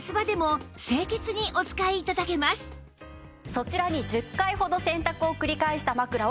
そちらに１０回ほど洗濯を繰り返した枕をご用意しました。